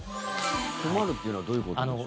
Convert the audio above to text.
困るというのはどういうことでしょう？